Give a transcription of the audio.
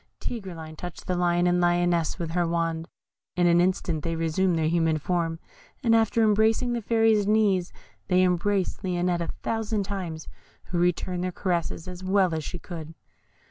Tigreline touched the Lion and Lioness with her wand; in an instant they resumed their human form, and after embracing the Fairy's knees, they embraced Lionette a thousand times, who returned their caresses as well as she could.